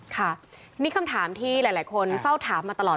ค่ะนี่คำถามที่หลายคนเฝ้าถามมาตลอด